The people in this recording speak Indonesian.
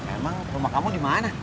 emang rumah kamu dimana